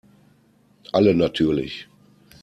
Alle natürlich.